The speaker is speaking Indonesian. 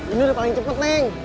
ini udah paling cepet neng